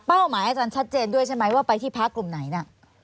หมายอาจารย์ชัดเจนด้วยใช่ไหมว่าไปที่พักกลุ่มไหนน่ะ